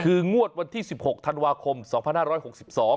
คืองวดวันที่สิบหกธันวาคมสองพันห้าร้อยหกสิบสอง